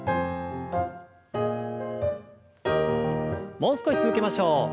もう少し続けましょう。